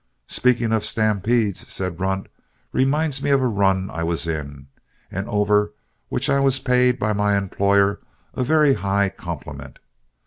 "Speaking of stampedes," said Runt, "reminds me of a run I was in, and over which I was paid by my employer a very high compliment.